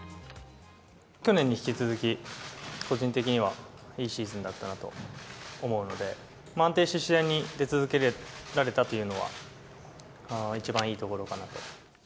去年に引き続き、個人的にはいいシーズンだったなと思うので、安定して試合に出続けられたというのは、一番いいところかなと。